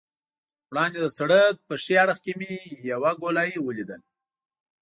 وړاندې د سړک په ښي اړخ کې مې یوه ګولایي ولیدل.